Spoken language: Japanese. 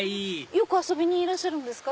よく遊びにいらっしゃるんですか？